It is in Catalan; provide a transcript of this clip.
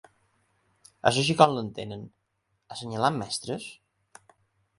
És així com l'entenen, assenyalant mestres?